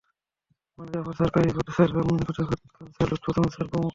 মানে, Jafar sir, Kaykobad sir, Khodadad Khan sir, Lutfuzzaman sir প্রমুখ।